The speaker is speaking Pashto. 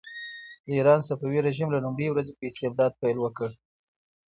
د ایران صفوي رژیم له لومړۍ ورځې په استبداد پیل وکړ.